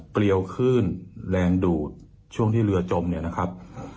เรียวขึ้นแรงดูดช่วงที่เรือจมเนี่ยนะครับ